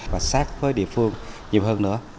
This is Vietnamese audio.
và sát với địa phương nhiều hơn nữa